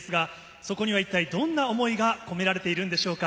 そこには、どんな思いが込められているんでしょうか。